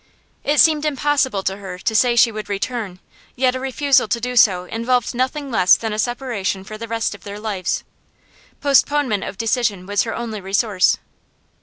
It seemed impossible to her to say she would return, yet a refusal to do so involved nothing less than separation for the rest of their lives. Postponement of decision was her only resource.